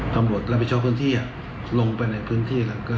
ตำรวจระเบียช็อฟพื้นที่ลงไปในพื้นที่